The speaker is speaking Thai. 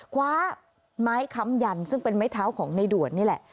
คว้าไม้ค้ำยันซึ่งเป็นไม้เท้าของในด่วนนี่แหละ